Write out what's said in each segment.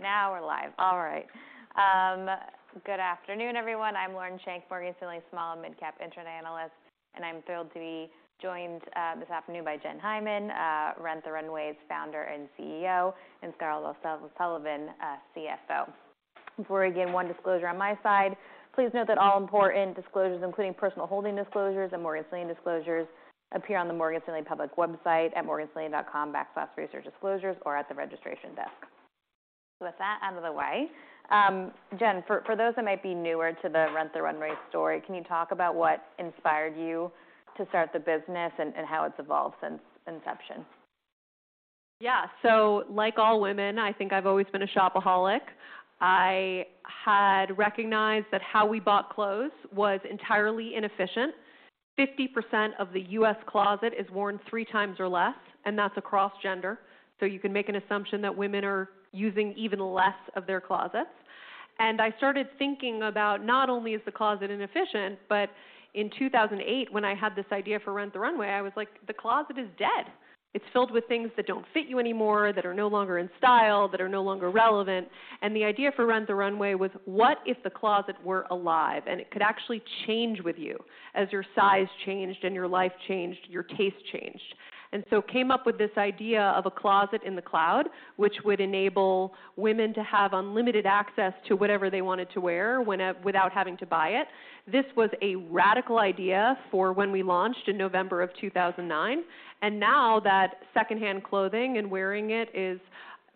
Now we're live. All right. Good afternoon, everyone. I'm Lauren Schenk, Morgan Stanley small and mid-cap internet analyst, and I'm thrilled to be joined this afternoon by Jenn Hyman, Rent the Runway's founder and CEO, and Scarlett O'Sullivan, CFO. Before we begin, one disclosure on my side. Please note that all important disclosures, including personal holding disclosures and Morgan Stanley disclosures, appear on the Morgan Stanley public website at morganstanley.com/researchdisclosures or at the registration desk. With that out of the way, Jen, for those that might be newer to the Rent the Runway story, can you talk about what inspired you to start the business and how it's evolved since inception? Yeah. Like all women, I think I've always been a shopaholic. I had recognized that how we bought clothes was entirely inefficient. 50% of the U.S. closet is worn three times or less, and that's across gender. You can make an assumption that women are using even less of their closets. I started thinking about not only is the closet inefficient, but in 2008, when I had this idea for Rent the Runway, I was like, the closet is dead. It's filled with things that don't fit you anymore, that are no longer in style, that are no longer relevant. The idea for Rent the Runway was what if the closet were alive, and it could actually change with you as your size changed and your life changed, your taste changed. Came up with this idea of a Closet in the Cloud, which would enable women to have unlimited access to whatever they wanted to wear without having to buy it. This was a radical idea for when we launched in November of 2009. Now that secondhand clothing and wearing it is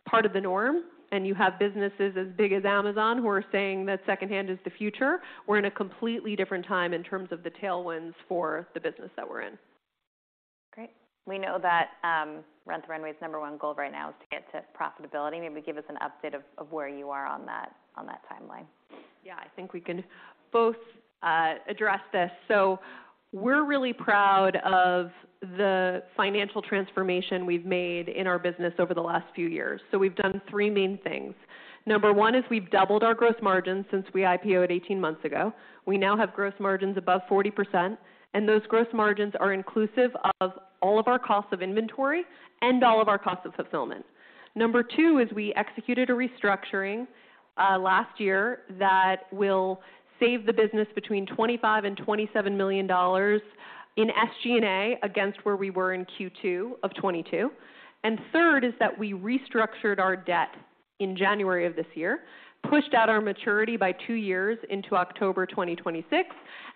part of the norm, and you have businesses as big as Amazon who are saying that secondhand is the future, we're in a completely different time in terms of the tailwinds for the business that we're in. Great. We know that, Rent the Runway's number one goal right now is to get to profitability. Maybe give us an update of where you are on that timeline. Yeah. I think we can both address this. We're really proud of the financial transformation we've made in our business over the last few years. We've done three main things. Number one is we've doubled our gross margins since we IPO'd 18 months ago. We now have gross margins above 40%, and those gross margins are inclusive of all of our costs of inventory and all of our costs of fulfillment. Number two is we executed a restructuring last year that will save the business between $25 million-$27 million in SG&A against where we were in Q2 of 2022. Third is that we restructured our debt in January of this year, pushed out our maturity by two years into October 2026,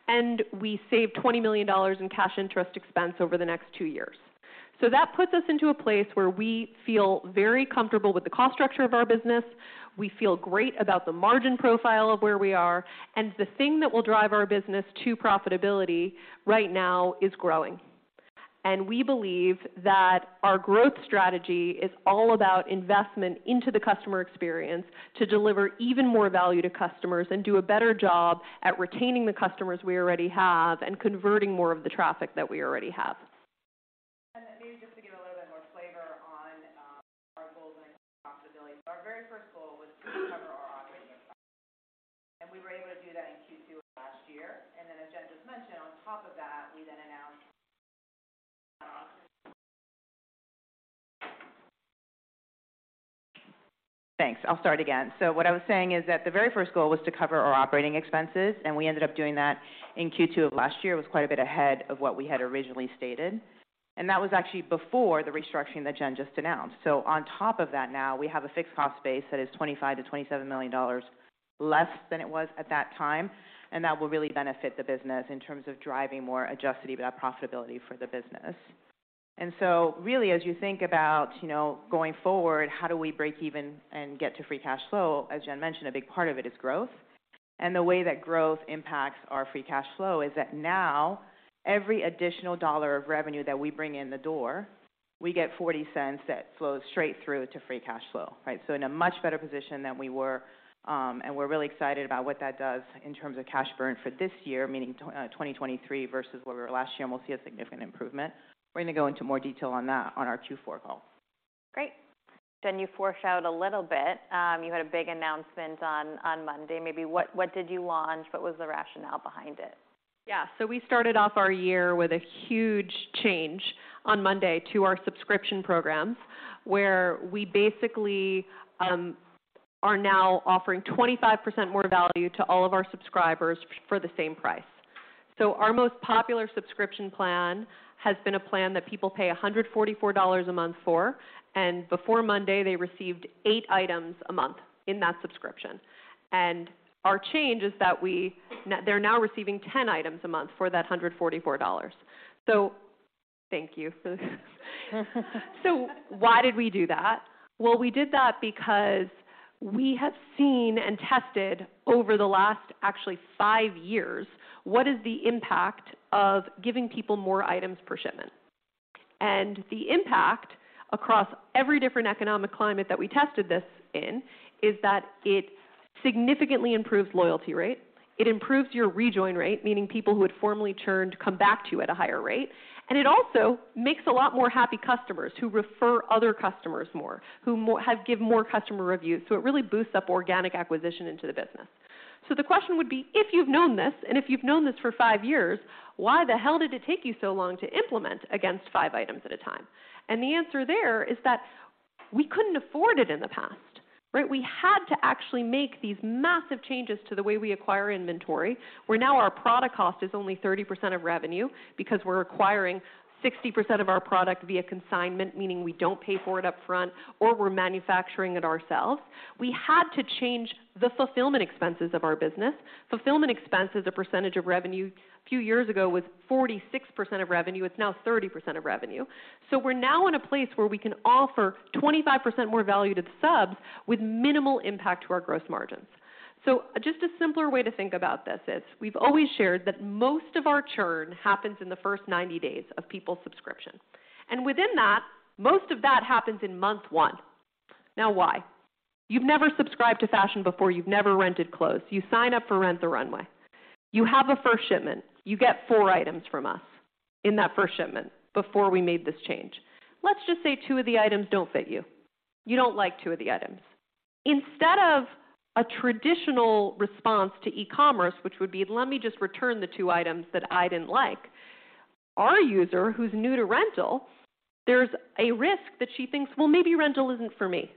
and we saved $20 million in cash interest expense over the next two years. That puts us into a place where we feel very comfortable with the cost structure of our business. We feel great about the margin profile of where we are, and the thing that will drive our business to profitability right now is growing. We believe that our growth strategy is all about investment into the customer experience to deliver even more value to customers and do a better job at retaining the customers we already have and converting more of the traffic that we already have. Maybe just to give a little bit more flavor on our goals and profitability. Our very first goal was to cover our operating costs, and we were able to do that in Q2 of last year. What I was saying is that the very first goal was to cover our operating expenses, and we ended up doing that in Q2 of last year. It was quite a bit ahead of what we had originally stated. That was actually before the restructuring that Jen just announced. On top of that now, we have a fixed cost base that is $25 million-$27 million less than it was at that time, and that will really benefit the business in terms of driving more adjusted EBITDA profitability for the business. Really, as you think about, you know, going forward, how do we break even and get to free cash flow, as Jen mentioned, a big part of it is growth. The way that growth impacts our free cash flow is that now every additional dollar of revenue that we bring in the door, we get $0.40 that flows straight through to free cash flow, right? In a much better position than we were, and we're really excited about what that does in terms of cash burn for this year, meaning 2023 versus where we were last year, and we'll see a significant improvement. We're gonna go into more detail on that on our Q4 call. Great. Jen, you foreshadowed a little bit. You had a big announcement on Monday. Maybe what did you launch? What was the rationale behind it? Yeah. We started off our year with a huge change on Monday to our subscription programs, where we basically are now offering 25% more value to all of our subscribers for the same price. Our most popular subscription plan has been a plan that people pay $144 a month for, and before Monday, they received eight items a month in that subscription. Our change is that they're now receiving 10 items a month for that $144. Thank you. Why did we do that? Well, we did that because we have seen and tested over the last actually five years, what is the impact of giving people more items per shipment. The impact across every different economic climate that we tested this in is that it significantly improves loyalty rate. It improves your rejoin rate, meaning people who had formerly churned come back to you at a higher rate. It also makes a lot more happy customers who refer other customers more, who have given more customer reviews. It really boosts up organic acquisition into the business. The question would be, if you've known this, and if you've known this for five years, why the hell did it take you so long to implement against five items at a time? The answer there is that we couldn't afford it in the past, right? We had to actually make these massive changes to the way we acquire inventory, where now our product cost is only 30% of revenue because we're acquiring 60% of our product via consignment, meaning we don't pay for it up front or we're manufacturing it ourselves. We had to change the fulfillment expenses of our business. Fulfillment expense as a percentage of revenue a few years ago was 46% of revenue. It's now 30% of revenue. We're now in a place where we can offer 25% more value to the subs with minimal impact to our gross margins. Just a simpler way to think about this is we've always shared that most of our churn happens in the first 90 days of people's subscription. Within that, most of that happens in month one. Now, why? You've never subscribed to fashion before. You've never rented clothes. You sign up for Rent the Runway. You have a first shipment. You get four items from us in that first shipment before we made this change. Let's just say two of the items don't fit you. You don't like two of the items. Instead of a traditional response to e-commerce, which would be, let me just return the two items that I didn't like, our user, who's new to rental, there's a risk that she thinks, well, maybe rental isn't for me.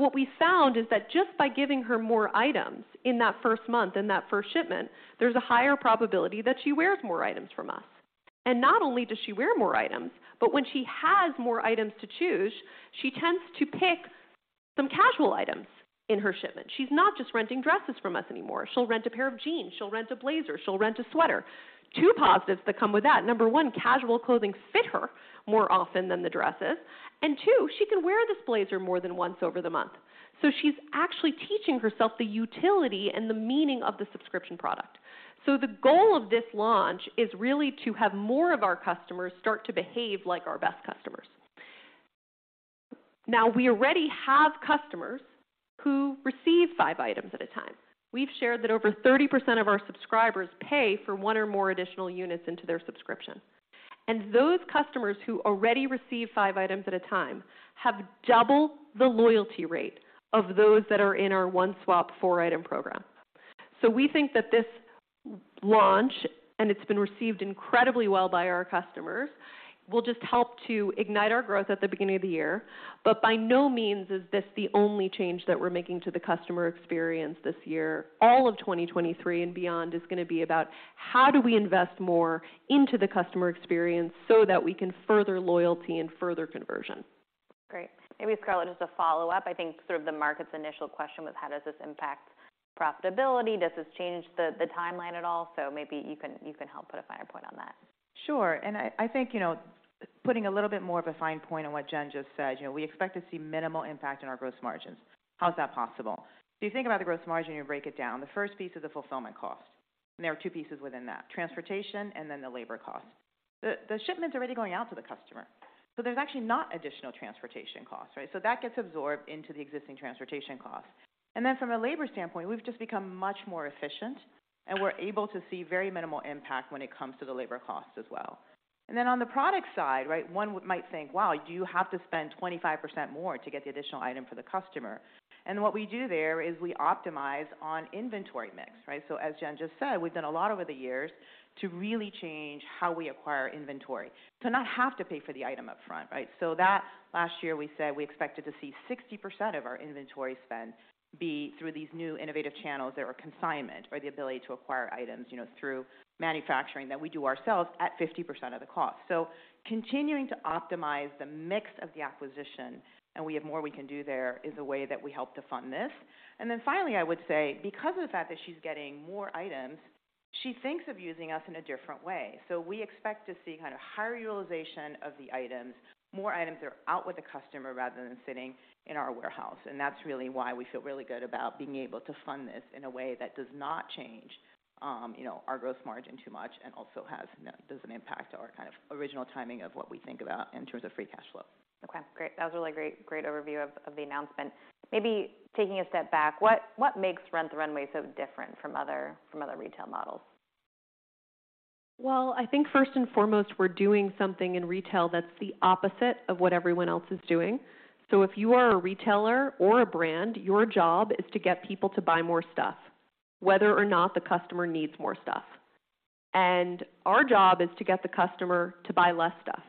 What we found is that just by giving her more items in that first month, in that first shipment, there's a higher probability that she wears more items from us. Not only does she wear more items, but when she has more items to choose, she tends to pick some casual items in her shipment. She's not just renting dresses from us anymore. She'll rent a pair of jeans. She'll rent a blazer. She'll rent a sweater. Two positives that come with that. Number one, casual clothing fit her more often than the dresses. Two, she can wear this blazer more than once over the month. She's actually teaching herself the utility and the meaning of the subscription product. The goal of this launch is really to have more of our customers start to behave like our best customers. Now, we already have customers who receive five items at a time. We've shared that over 30% of our subscribers pay for one or more additional units into their subscription. Those customers who already receive five items at a time have double the loyalty rate of those that are in our One Swap, Four Item program. We think that this launch, and it's been received incredibly well by our customers, will just help to ignite our growth at the beginning of the year. By no means is this the only change that we're making to the customer experience this year. All of 2023 and beyond is gonna be about how do we invest more into the customer experience so that we can further loyalty and further conversion. Great. Maybe, Scarlett, just a follow-up. I think sort of the market's initial question was: How does this impact profitability? Does this change the timeline at all? Maybe you can help put a finer point on that. Sure. I think, you know, putting a little bit more of a fine point on what Jen just said, you know, we expect to see minimal impact on our gross margins. How is that possible? You think about the gross margin, you break it down. The first piece is the fulfillment cost, and there are two pieces within that: transportation and then the labor cost. The shipment's already going out to the customer, there's actually not additional transportation costs, right? That gets absorbed into the existing transportation costs. From a labor standpoint, we've just become much more efficient, we're able to see very minimal impact when it comes to the labor costs as well. On the product side, right. Might think, wow, you have to spend 25% more to get the additional item for the customer. What we do there is we optimize on inventory mix, right? As Jen just said, we've done a lot over the years to really change how we acquire inventory, to not have to pay for the item up front, right? That last year, we said we expected to see 60% of our inventory spend be through these new innovative channels that were consignment or the ability to acquire items, you know, through manufacturing that we do ourselves at 50% of the cost. Continuing to optimize the mix of the acquisition, and we have more we can do there, is a way that we help to fund this. Finally, I would say because of the fact that she's getting more items, she thinks of using us in a different way. We expect to see kind of higher utilization of the items. More items are out with the customer rather than sitting in our warehouse, that's really why we feel really good about being able to fund this in a way that does not change, you know, our gross margin too much and also doesn't impact our kind of original timing of what we think about in terms of free cash flow. Okay, great. That was a really great overview of the announcement. Maybe taking a step back, what makes Rent the Runway so different from other retail models? I think first and foremost, we're doing something in retail that's the opposite of what everyone else is doing. If you are a retailer or a brand, your job is to get people to buy more stuff, whether or not the customer needs more stuff. Our job is to get the customer to buy less stuff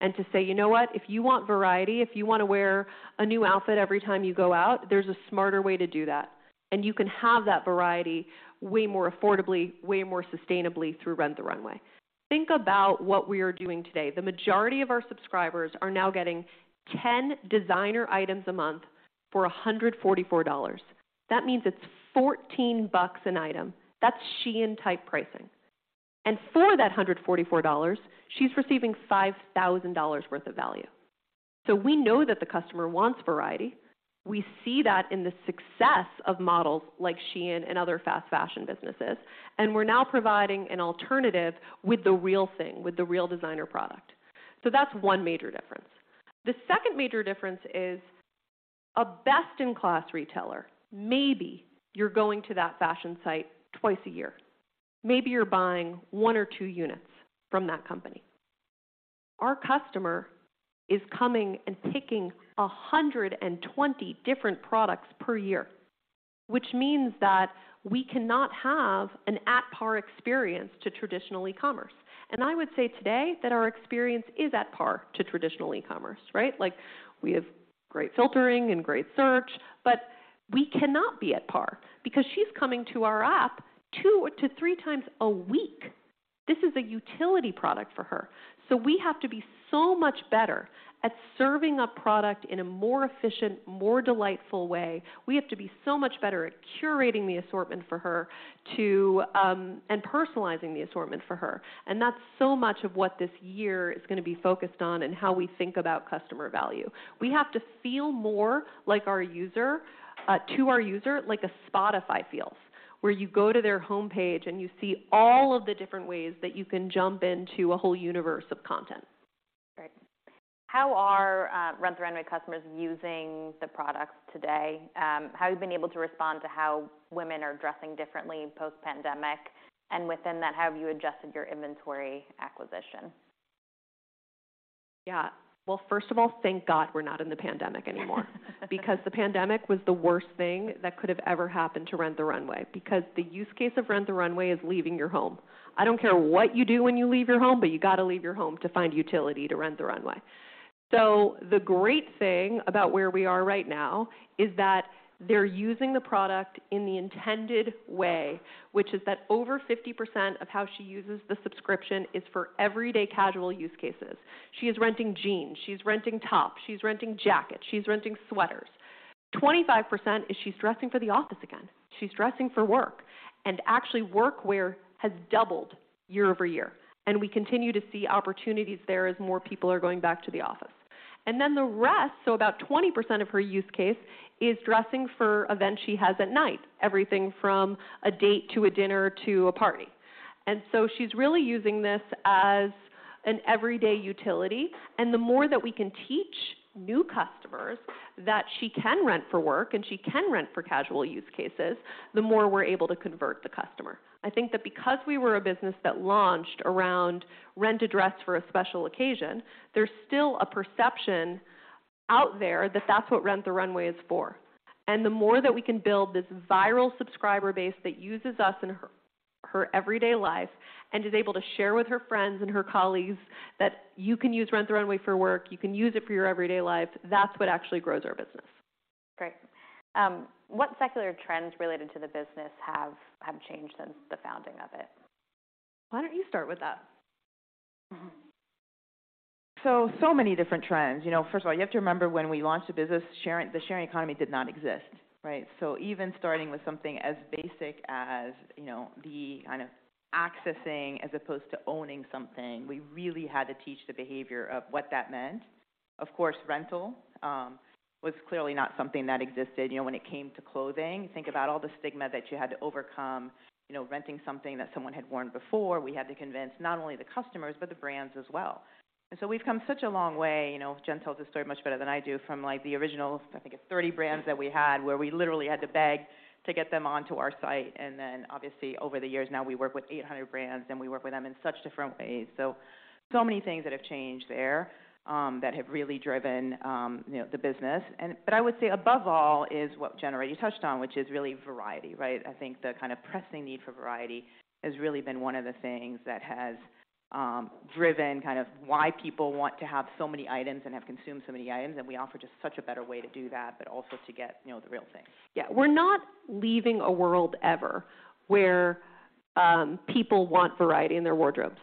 and to say, you know what? If you want variety, if you want to wear a new outfit every time you go out, there's a smarter way to do that, and you can have that variety way more affordably, way more sustainably through Rent the Runway. Think about what we are doing today. The majority of our subscribers are now getting 10 designer items a month for $144. That means it's $14 an item. That's Shein-type pricing. For that $144, she's receiving $5,000 worth of value. We know that the customer wants variety. We see that in the success of models like Shein and other fast fashion businesses, we're now providing an alternative with the real thing, with the real designer product. That's one major difference. The second major difference is a best-in-class retailer. Maybe you're going to that fashion site twice a year. Maybe you're buying one or two units from that company. Our customer is coming and picking 120 different products per year, which means that we cannot have an at-par experience to traditional e-commerce. I would say today that our experience is at par to traditional e-commerce, right? We have great filtering and great search, we cannot be at par because she's coming to our app two to three times a week. This is a utility product for her. We have to be so much better at serving up product in a more efficient, more delightful way. We have to be so much better at curating the assortment for her to personalizing the assortment for her. That's so much of what this year is gonna be focused on and how we think about customer value. We have to feel more like our user to our user like a Spotify feels, where you go to their homepage, you see all of the different ways that you can jump into a whole universe of content. Great. How are Rent the Runway customers using the products today? How have you been able to respond to how women are dressing differently post-pandemic? Within that, how have you adjusted your inventory acquisition? Well, first of all, thank God we're not in the pandemic anymore. The pandemic was the worst thing that could have ever happened to Rent the Runway because the use case of Rent the Runway is leaving your home. I don't care what you do when you leave your home, but you gotta leave your home to find utility to Rent the Runway. The great thing about where we are right now is that they're using the product in the intended way, which is that over 50% of how she uses the subscription is for everyday casual use cases. She is renting jeans. She's renting tops. She's renting jackets. She's renting sweaters. 25% is she's dressing for the office again. She's dressing for work. Actually, work wear has doubled year-over-year, and we continue to see opportunities there as more people are going back to the office. The rest, so about 20% of her use case, is dressing for events she has at night, everything from a date to a dinner to a party. She's really using this as an everyday utility, and the more that we can teach new customers that she can rent for work and she can rent for casual use cases, the more we're able to convert the customer. I think that because we were a business that launched around rent a dress for a special occasion, there's still a perception out there that that's what Rent the Runway is for. The more that we can build this viral subscriber base that uses us in her everyday life and is able to share with her friends and her colleagues that you can use Rent the Runway for work, you can use it for your everyday life, that's what actually grows our business. Great. What secular trends related to the business have changed since the founding of it? Why don't you start with that? Many different trends. You know, first of all, you have to remember when we launched the business, the sharing economy did not exist, right? Even starting with something as basic as, you know, the kind of accessing as opposed to owning something, we really had to teach the behavior of what that meant. Of course, rental was clearly not something that existed, you know, when it came to clothing. Think about all the stigma that you had to overcome, you know, renting something that someone had worn before. We had to convince not only the customers, but the brands as well. We've come such a long way. You know, Jen tells this story much better than I do from, like, the original, I think it's 30 brands that we had, where we literally had to beg to get them onto our site. Obviously, over the years now we work with 800 brands, and we work with them in such different ways. Many things that have changed there, that have really driven, you know, the business. I would say above all is what Jennifer already touched on, which is really variety, right? I think the kind of pressing need for variety has really been one of the things that has driven kind of why people want to have so many items and have consumed so many items, and we offer just such a better way to do that, but also to get, you know, the real thing. Yeah. We're not leaving a world ever where people want variety in their wardrobes.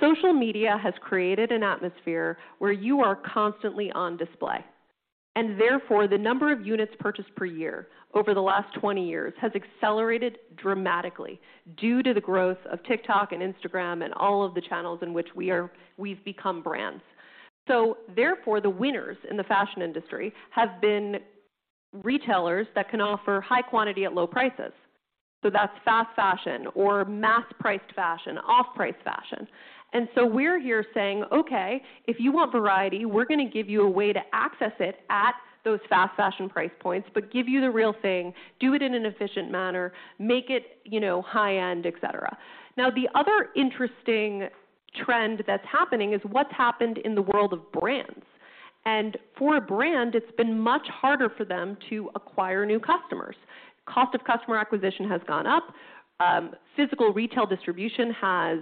Social media has created an atmosphere where you are constantly on display, therefore, the number of units purchased per year over the last 20 years has accelerated dramatically due to the growth of TikTok and Instagram and all of the channels in which we've become brands. Therefore, the winners in the fashion industry have been retailers that can offer high quantity at low prices, so that's fast fashion or mass-priced fashion, off-price fashion. We're here saying, okay, if you want variety, we're gonna give you a way to access it at those fast fashion price points, but give you the real thing, do it in an efficient manner, make it, you know, high-end, et cetera. Now, the other interesting trend that's happening is what's happened in the world of brands. For a brand, it's been much harder for them to acquire new customers. Cost of customer acquisition has gone up, physical retail distribution has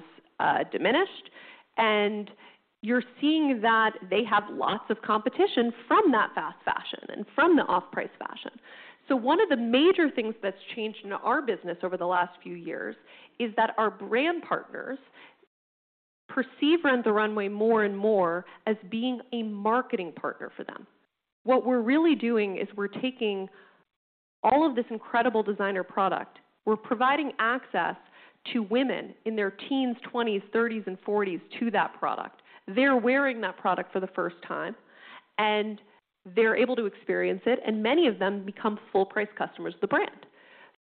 diminished, and you're seeing that they have lots of competition from that fast fashion and from the off-price fashion. One of the major things that's changed in our business over the last few years is that our brand partners perceive Rent the Runway more and more as being a marketing partner for them. What we're really doing is we're taking all of this incredible designer product, we're providing access to women in their teens, twenties, thirties, and forties to that product. They're wearing that product for the first time, and they're able to experience it, and many of them become full-price customers of the brand.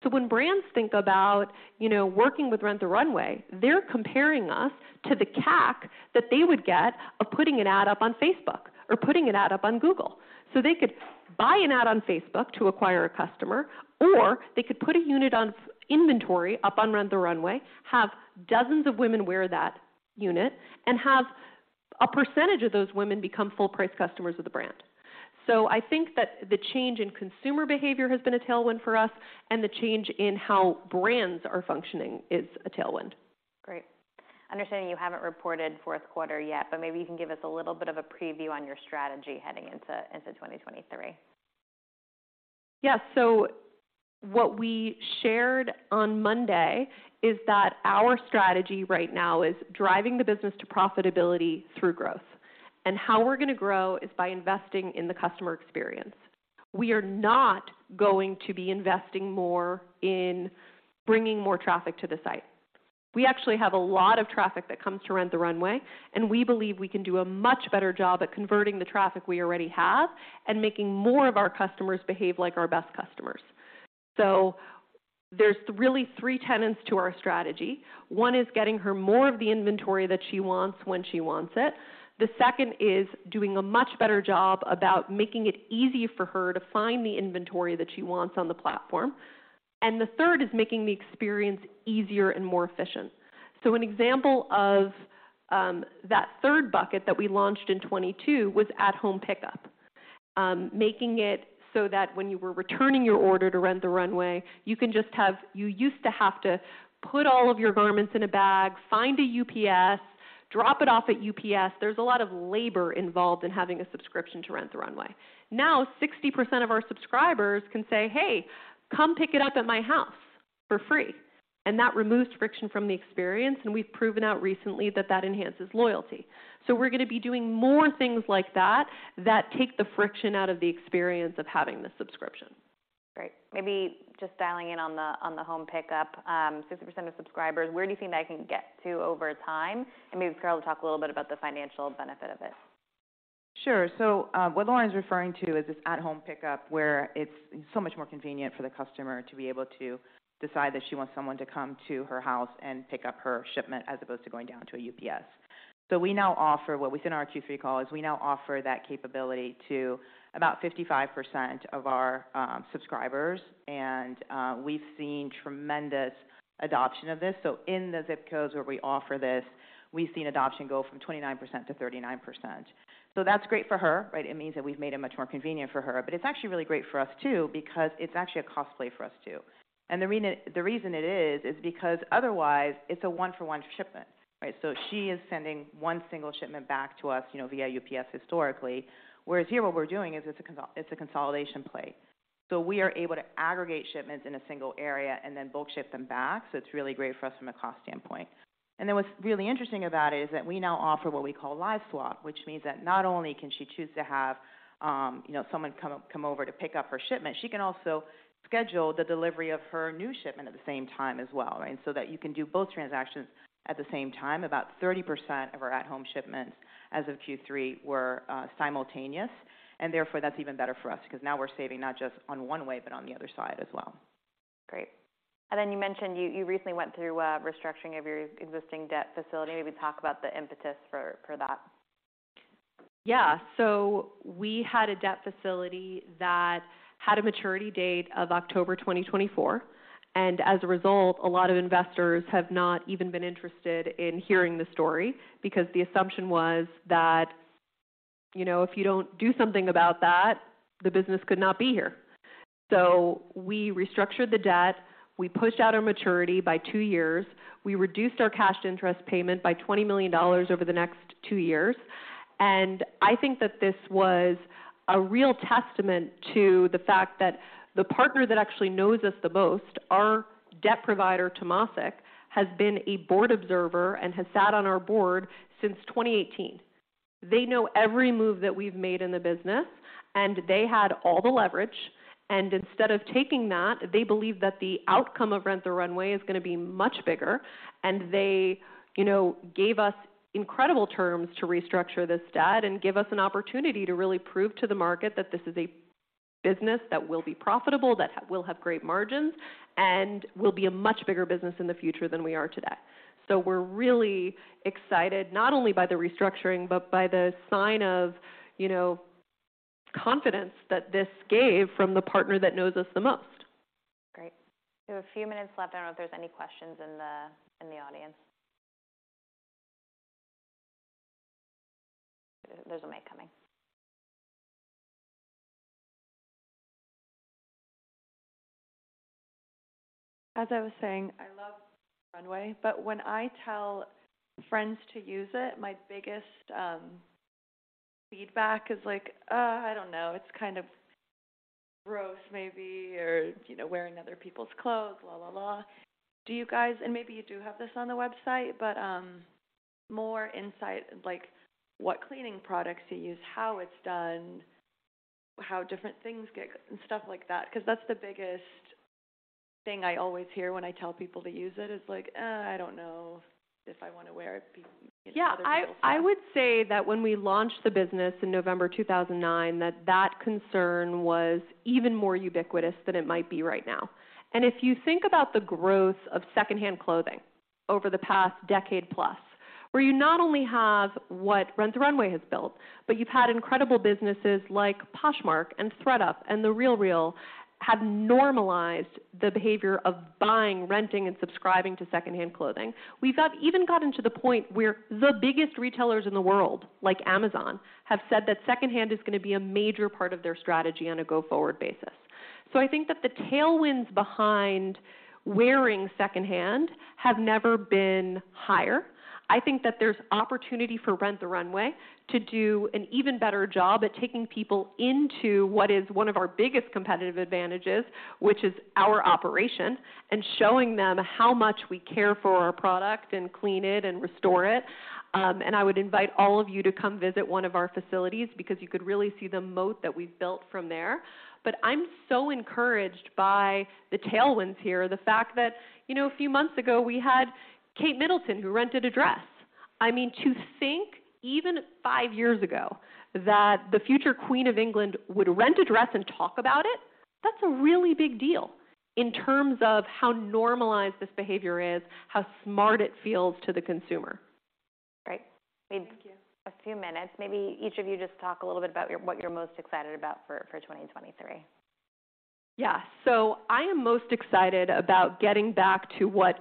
When brands think about, you know, working with Rent the Runway, they're comparing us to the CAC that they would get of putting an ad up on Facebook or putting an ad up on Google. They could buy an ad on Facebook to acquire a customer, or they could put a unit on inventory up on Rent the Runway, have dozens of women wear that unit, and have a percentage of those women become full-price customers of the brand. I think that the change in consumer behavior has been a tailwind for us, and the change in how brands are functioning is a tailwind. Great. Understanding you haven't reported fourth quarter yet, maybe you can give us a little bit of a preview on your strategy heading into 2023. Yeah. What we shared on Monday is that our strategy right now is driving the business to profitability through growth. How we're gonna grow is by investing in the customer experience. We are not going to be investing more in bringing more traffic to the site. We actually have a lot of traffic that comes to Rent the Runway, and we believe we can do a much better job at converting the traffic we already have and making more of our customers behave like our best customers. There's really three tenets to our strategy. One is getting her more of the inventory that she wants when she wants it. The second is doing a much better job about making it easy for her to find the inventory that she wants on the platform. The third is making the experience easier and more efficient. An example of that third bucket that we launched in 2022 was at-home pickup. Making it so that when you were returning your order to Rent the Runway, you used to have to put all of your garments in a bag, find a UPS, drop it off at UPS. There's a lot of labor involved in having a subscription to Rent the Runway. Now, 60% of our subscribers can say, hey, come pick it up at my house for free. That removes friction from the experience, and we've proven out recently that that enhances loyalty. We're gonna be doing more things like that that take the friction out of the experience of having the subscription. Great. Maybe just dialing in on the, on the home pickup. 60% of subscribers, where do you think that can get to over time? Maybe, Carol, talk a little bit about the financial benefit of it. Sure. What Lauren's referring to is this at-home pickup, where it's so much more convenient for the customer to be able to decide that she wants someone to come to her house and pick up her shipment as opposed to going down to a UPS. We now offer What we said in our Q3 call is we now offer that capability to about 55% of our subscribers, and we've seen tremendous adoption of this. In the ZIP codes where we offer this, we've seen adoption go from 29%-39%. That's great for her, right? It means that we've made it much more convenient for her. It's actually really great for us, too, because it's actually a cost play for us, too. The reason it is because otherwise it's a one-for-one shipment, right? She is sending one single shipment back to us, you know, via UPS historically, whereas here what we're doing is it's a consolidation play. We are able to aggregate shipments in a single area and then bulk ship them back, so it's really great for us from a cost standpoint. What's really interesting about it is that we now offer what we call Live Swap, which means that not only can she choose to have, you know, someone come over to pick up her shipment, she can also schedule the delivery of her new shipment at the same time as well, right? That you can do both transactions at the same time. About 30% of our at-home shipments as of Q3 were simultaneous. Therefore, that's even better for us because now we're saving not just on one way, but on the other side as well. Great. You mentioned you recently went through restructuring of your existing debt facility. Maybe talk about the impetus for that. Yeah. We had a debt facility that had a maturity date of October 2024, and as a result, a lot of investors have not even been interested in hearing the story because the assumption was that, you know, if you don't do something about that, the business could not be here. We restructured the debt. We pushed out our maturity by two years. We reduced our cash interest payment by $20 million over the next two years. I think that this was a real testament to the fact that the partner that actually knows us the most, our debt provider, Temasek, has been a board observer and has sat on our board since 2018. They know every move that we've made in the business, and they had all the leverage, and instead of taking that, they believe that the outcome of Rent the Runway is gonna be much bigger. They, you know, gave us incredible terms to restructure this debt and give us an opportunity to really prove to the market that this is a business that will be profitable, that will have great margins, and will be a much bigger business in the future than we are today. We're really excited, not only by the restructuring, but by the sign of, you know, confidence that this gave from the partner that knows us the most. Great. We have a few minutes left. I don't know if there's any questions in the audience. There's a mic coming. As I was saying, I love Runway, but when I tell friends to use it, my biggest feedback is like, I don't know. It's kind of gross maybe, or, you know, wearing other people's clothes, la, la. Do you guys, and maybe you do have this on the website, but more insight, like what cleaning products you use, how it's done, how different things get... Stuff like that, 'cause that's the biggest thing I always hear when I tell people to use it is like, I don't know if I wanna wear it, you know, other people's clothes. Yeah. I would say that when we launched the business in November 2009, that that concern was even more ubiquitous than it might be right now. If you think about the growth of secondhand clothing over the past decade plus, where you not only have what Rent the Runway has built, but you've had incredible businesses like Poshmark and ThredUp and The RealReal have normalized the behavior of buying, renting, and subscribing to secondhand clothing. We've got even gotten to the point where the biggest retailers in the world, like Amazon, have said that secondhand is gonna be a major part of their strategy on a go-forward basis. I think that the tailwinds behind wearing secondhand have never been higher. I think that there's opportunity for Rent the Runway to do an even better job at taking people into what is one of our biggest competitive advantages, which is our operation, and showing them how much we care for our product and clean it and restore it. I would invite all of you to come visit one of our facilities because you could really see the moat that we've built from there. I'm so encouraged by the tailwinds here, the fact that, you know, a few months ago, we had Kate Middleton who rented a dress. I mean, to think even five years ago that the future Queen of England would rent a dress and talk about it, that's a really big deal in terms of how normalized this behavior is, how smart it feels to the consumer. Great. Thank you. We have a few minutes. Maybe each of you just talk a little bit about what you're most excited about for 2023? Yeah. I am most excited about getting back to what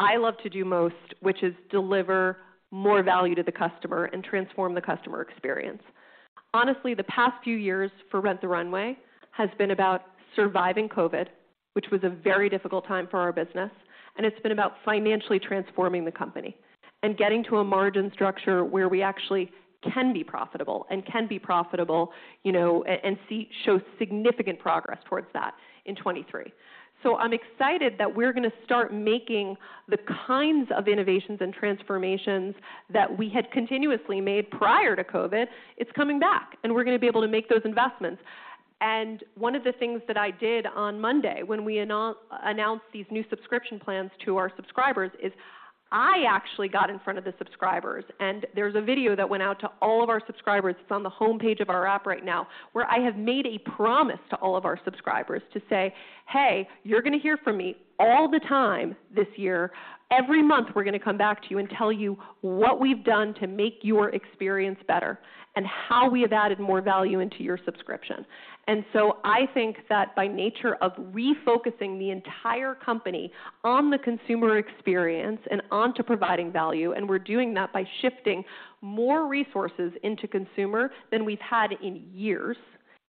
I love to do most, which is deliver more value to the customer and transform the customer experience. Honestly, the past few years for Rent the Runway has been about surviving COVID, which was a very difficult time for our business, and it's been about financially transforming the company and getting to a margin structure where we actually can be profitable and can be profitable, you know, show significant progress towards that in 2023. I'm excited that we're gonna start making the kinds of innovations and transformations that we had continuously made prior to COVID. It's coming back, and we're gonna be able to make those investments. One of the things that I did on Monday when we announced these new subscription plans to our subscribers is I actually got in front of the subscribers, and there's a video that went out to all of our subscribers. It's on the homepage of our app right now, where I have made a promise to all of our subscribers to say, hey, you're gonna hear from me all the time this year. Every month, we're gonna come back to you and tell you what we've done to make your experience better and how we have added more value into your subscription. I think that by nature of refocusing the entire company on the consumer experience and onto providing value, and we're doing that by shifting more resources into consumer than we've had in years,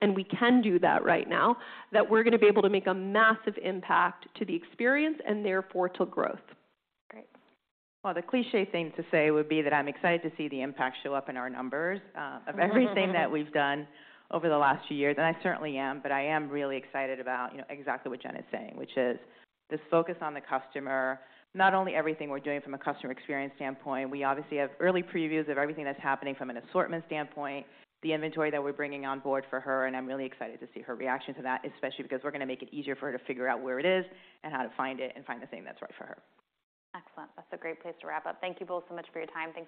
and we can do that right now, that we're gonna be able to make a massive impact to the experience and therefore to growth. Great. The cliché thing to say would be that I'm excited to see the impact show up in our numbers of everything that we've done over the last few years, and I certainly am. I am really excited about, you know, exactly what Jen is saying, which is this focus on the customer, not only everything we're doing from a customer experience standpoint. We obviously have early previews of everything that's happening from an assortment standpoint, the inventory that we're bringing on board for her, and I'm really excited to see her reaction to that, especially because we're gonna make it easier for her to figure out where it is and how to find it and find the thing that's right for her. Excellent. That's a great place to wrap up. Thank you both so much for your time.